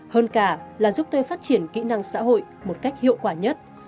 hơn cả là giúp tôi phát triển kỹ năng xã hội một cách hiệu quả nhất